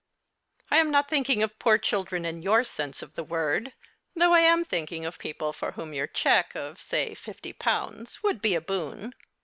I am not thinking of poor children in your 32 The Christmas Hirelings. sense of the word. Though I am thinking of people for whom your cheque, of say fifty pounds, would be a boon.